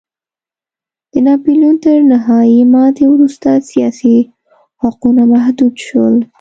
د ناپلیون تر نهايي ماتې وروسته سیاسي حقونه محدود شول.